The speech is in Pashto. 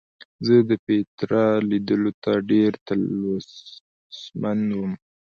زه د پیترا لیدلو ته ډېر تلوسمن وم.